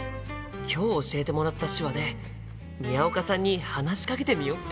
今日教えてもらった手話で宮岡さんに話しかけてみよっと！